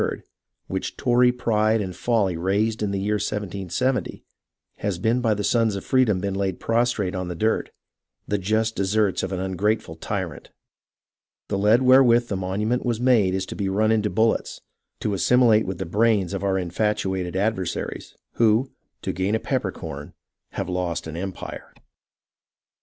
which Tory pride and folly raised in the year 1770, has by the Sons of Freedom been laid prostrate in the dirt — the just desert of an ungrateful tyrant! The lead wherewith the monument was made is to be run into bullets, to assimilate with the brains of our infatuated adversaries, who, to gain a peppercorn, have lost an empire.